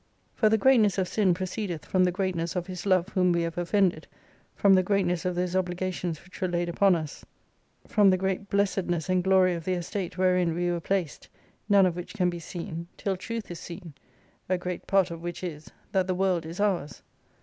For the greatness of sin proceedeth from the greatness of His love whom we have offended, from the greatness of those obligations which were laid upon us, from the great blessedness F 8i and glory of the estate wherein we were placed, none of which can be seen, till Truth is seen, a great part of which is, that the World is ours.